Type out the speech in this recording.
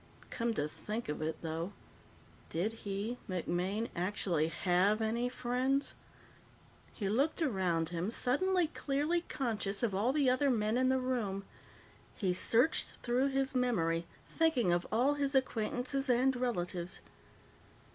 Come to think of it, though, did he, MacMaine, actually have any friends? He looked around him, suddenly clearly conscious of the other men in the room. He searched through his memory, thinking of all his acquaintances and relatives.